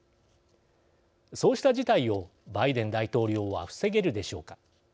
そうした事態をバイデン大統領は防げるでしょうか。